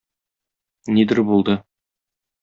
Нидер булды...